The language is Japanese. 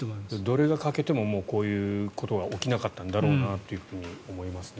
どれが欠けてもこういうことが起きなかったんだろうなと思いますね。